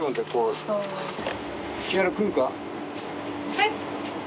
はい？